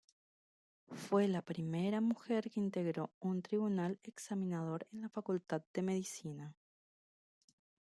Fue la primera mujer que integró un tribunal examinador en la Facultad de Medicina.